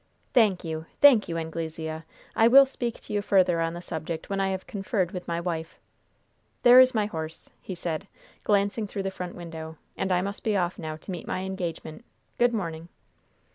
"Thank you, thank you, Anglesea! I will speak to you further on the subject when I have conferred with my wife. There is my horse," he said, glancing through the front window, "and I must be off now to meet my engagement. Good morning."